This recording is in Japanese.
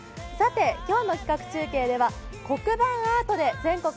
今日の規格中継では黒板アートで全国